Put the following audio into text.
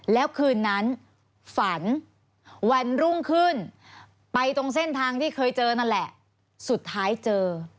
แล้วคืนนั้นฝันวันรุ่งขึ้นไปตรงเส้นทางที่เคยเจอนั่นแหละสุดท้ายเจอ